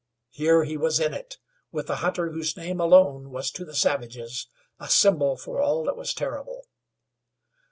Here he was in it, with the hunter whose name alone was to the savages a symbol for all that was terrible.